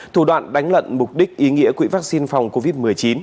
thủ đoạn đánh lận mục đích ý nghĩa quỹ vaccine phòng covid một mươi chín